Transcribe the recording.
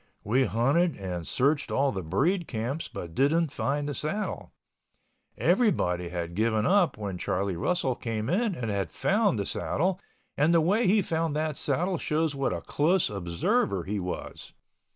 We hunted and searched all the breed camps but didn't find the saddle. Everybody had given up when Charlie Russell came in and had found the saddle and the way he found that saddle shows what a close observer he was.